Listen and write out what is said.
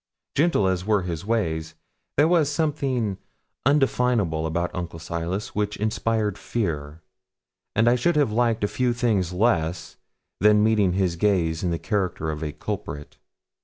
Gentle as were his ways, there was something undefinable about Uncle Silas which inspired fear; and I should have liked few things less than meeting his gaze in the character of a culprit.